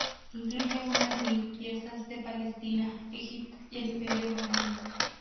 Incluye unas mil piezas de Palestina, Egipto y el Imperio romano.